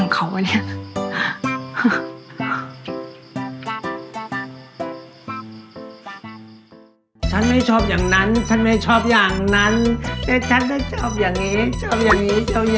เขาคิดอะไรของเขาวะเนี้ย